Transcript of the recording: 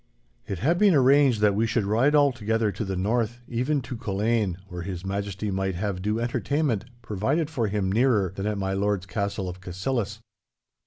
It had been arranged that we should ride all together to the north, even to Culzean, where His Majesty might have due entertainment provided for him nearer than at my lord's castle of Cassillis.